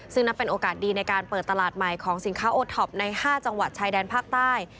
ซึ่งนับเป็นโอกาสดีในการเปิดตลาดใหม่ของสินค้าโอท็อปใน๕จังหวัดชายแดนภาคใต้